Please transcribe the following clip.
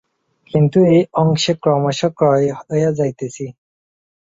কিন্তু এই অংশ ক্রমশ ক্ষয় হইয়া যাইতেছি।